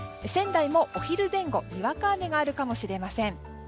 仙台もお昼前後にわか雨があるかもしれません。